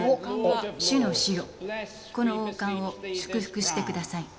この王冠を祝福してください。